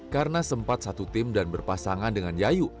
karena sempat satu tim dan berpasangan dengan yayu